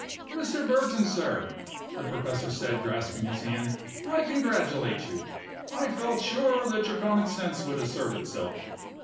"Mr. Burton, sir," the professor said, grasping his hand, "I congratulate you. I felt sure that your common sense would assert itself.